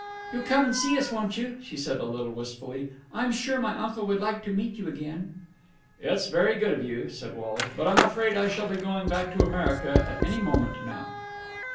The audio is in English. "You'll come and see us, won't you?" she said a little wistfully. "I'm sure my uncle would like to meet you again." "It's very good of you," said Wally, "but I'm afraid I shall be going back to America at any moment now."